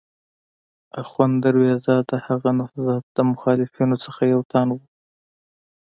اخوند درویزه د هغه نهضت د مخالفینو څخه یو تن و.